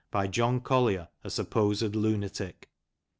By John Collier, a Supposed Lunatic."